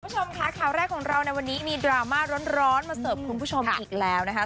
คุณผู้ชมค่ะข่าวแรกของเราในวันนี้มีดราม่าร้อนมาเสิร์ฟคุณผู้ชมอีกแล้วนะคะ